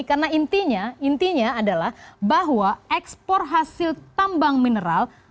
karena intinya adalah bahwa ekspor hasil tambang mineral